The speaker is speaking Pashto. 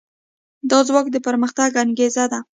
دا ځواک د پرمختګ انګېزه ده.